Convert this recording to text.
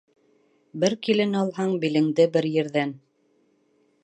Бер килен алһаң, билеңде бер ерҙән